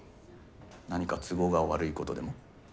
何か都合が悪いことでも？